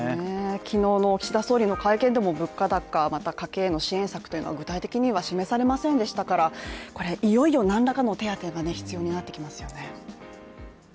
昨日の岸田総理の会見でも物価高、また家計への支援策は具体的には示されませんでしたから、いよいよなんらかの手当が必要になってきますよね。